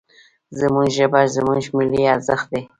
زموږ ژبه، زموږ ملي ارزښت دی.